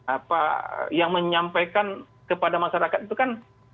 apa yang menyampaikan kepada masyarakat itu kan